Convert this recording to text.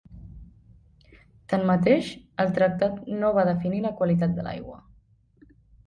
Tanmateix, el tractat no va definir la qualitat de l'aigua.